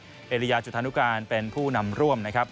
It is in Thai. เอริยาจุธานุการเป็นผู้นำร่วมนะครับ